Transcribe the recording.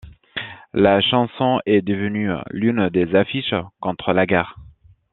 La chanson est devenue l'une des affiches contre la guerre.